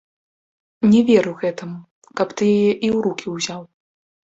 Не веру гэтаму, каб ты яе і ў рукі ўзяў.